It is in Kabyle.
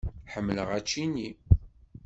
Ḥemmleɣ ačini.